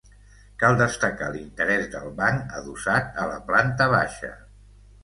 Cal destacar l'interès del banc adossat a la planta baixa.